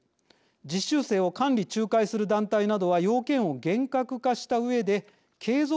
実習生を監理・仲介する団体などは要件を厳格化したうえで継続するとしています。